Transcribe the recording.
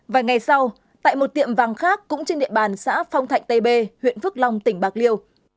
vài ngày sau tại một tiệm vàng khác cũng trên địa bàn xã phong thạnh tây bê huyện phước long tỉnh bạc liêu